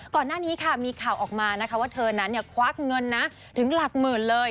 ก่อนหน้านี้ค่ะมีข่าวออกมานะคะว่าเธอนั้นควักเงินนะถึงหลักหมื่นเลย